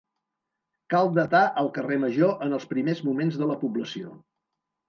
Cal datar el carrer Major en els primers moments de la població.